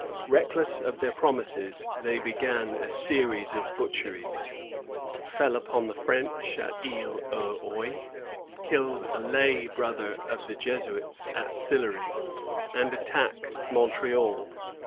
Reckless of their promises, they began a series of butcheries, — fell upon the French at Isle aux Oies, killed a lay brother of the Jesuits at Sillery, and attacked Montreal.